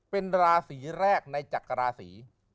เป็นราศีแรกในจักราศี